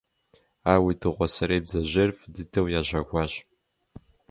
Ауэ уи дыгъуасэрей бдзэжьейр фӀы дыдэу ящэхуащ.